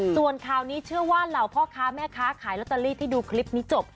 ส่วนข่าวนี้เชื่อว่าเหล่าพ่อค้าแม่ค้าขายลอตเตอรี่ที่ดูคลิปนี้จบ